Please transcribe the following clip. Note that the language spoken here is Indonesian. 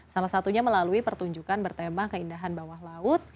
salah satunya melalui pertunjukan bertema keindahan bawah laut